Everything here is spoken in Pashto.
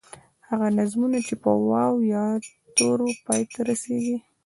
هغه نظمونه چې په واو، یا تورو پای ته رسیږي.